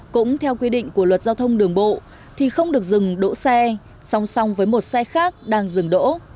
cũng theo quy định của luật giao thông đường bộ thì không được dừng đỗ xe song song với một xe khác đang dừng đỗ